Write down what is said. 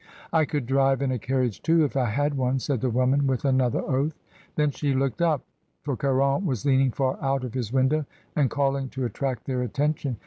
"I could drive in a carriage too, if I had one," said the woman, with another oath. Then she looked up, for Caron was leaning far out of his window, and calling to attract their attention.